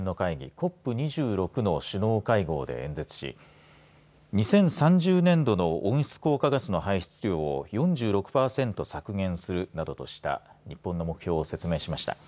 ＣＯＰ２６の首脳会合で演説し２０３０年度の温室効果ガスの排出量を４６パーセント削減するなどとした日本の目標を説明しました。